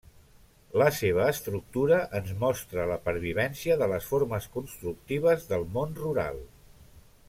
La seva estructura ens mostra la pervivència de les formes constructives del món rural.